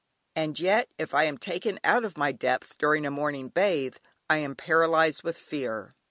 And yet, if I am taken out of my depth, during a morning bathe, I am paralysed with fear.